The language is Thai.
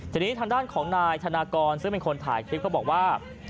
ทีนี้ทางด้านของนายธนากรซึ่งเป็นคนถ่ายคลิปเขาบอกว่า